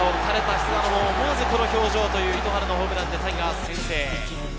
菅野、思わずこの表情という糸原のホームランでタイガース先制。